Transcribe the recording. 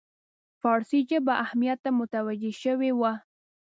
فارسي ژبې اهمیت ته متوجه شوی وو.